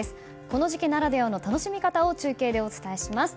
この時期ならではの楽しみ方を中継でお伝えします。